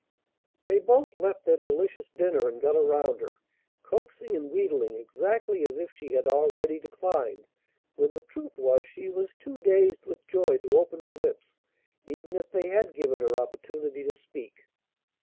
They both left their delicious dinner, and got around her, coaxing and wheedling exactly as if she had already declined, when the truth was she was too dazed with joy to open her lips, even if they had given her opportunity to speak.